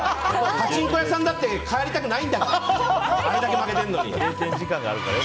パチンコ屋さんだって帰りたくないんだから。